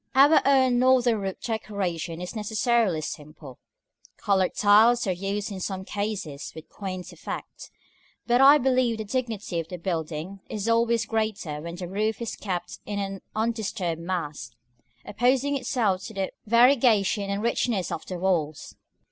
§ VI. Our own northern roof decoration is necessarily simple. Colored tiles are used in some cases with quaint effect; but I believe the dignity of the building is always greater when the roof is kept in an undisturbed mass, opposing itself to the variegation and richness of the walls.